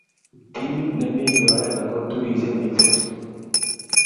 Timit ne mii kibakenge ko turishe mising.